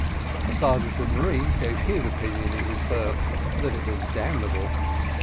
The sergeant of marines gave his opinion in his berth that it was damnable.